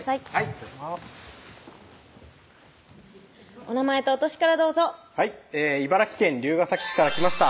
失礼しますお名前とお歳からどうぞはい茨城県龍ケ崎市から来ました